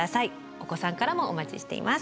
お子さんからもお待ちしています。